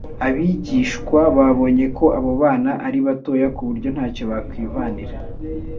abigishwa babonye ko abo bana ari batoya ku buryo ntacyo bakwivanira